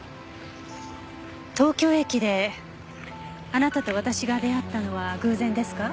東京駅であなたと私が出会ったのは偶然ですか？